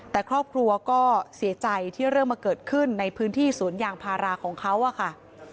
แต่ครอบครัวก็เสียใจที่เรื่องมาเกิดขึ้นในพื้นที่สวนยางพาราของเขาอะค่ะ